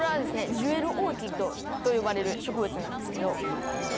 ジュエルオーキッドと呼ばれる植物なんですけど。